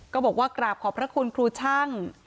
ก็บอกว่ากราบขอบพระคุณครูช่าง